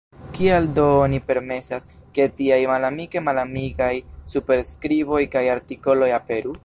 Kial do oni permesas, ke tiaj malamike malamigaj superskriboj kaj artikoloj aperu?